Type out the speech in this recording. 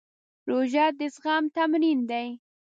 روژه د زغم تمرین دی.